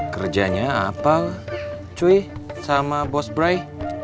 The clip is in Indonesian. kerjanya apa cuy sama bos brai